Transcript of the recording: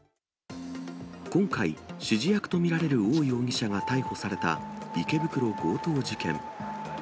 今回、指示役と見られる汪容疑者が逮捕された池袋強盗事件。